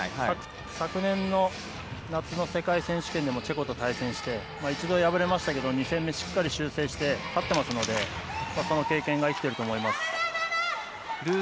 昨年の夏の世界選手権でもチェコと対戦して一度敗れましたけど一度敗れましたけど２戦目しっかり修正して勝っていますのでその経験が生きていると思います。